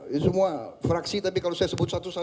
ya semua fraksi tapi kalau saya sebut satu satu